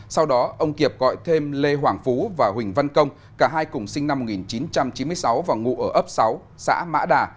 sau đó ông kiệp gọi thêm lê hoàng phú và huỳnh văn công cả hai cùng sinh năm một nghìn chín trăm chín mươi sáu và ngụ ở ấp sáu xã mã đà